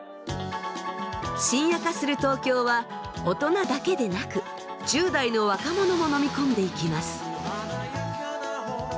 深夜化する東京は大人だけでなく１０代の若者も飲み込んでいきます。